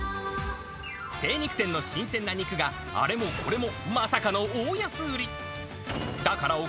精肉店の新鮮な肉があれもこれも、まさかの大安売り。